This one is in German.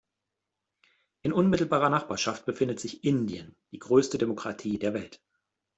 In unmittelbarer Nachbarschaft befindet sich Indien, die größte Demokratie der Welt.